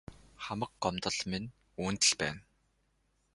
Хамаг гомдол минь үүнд л байна.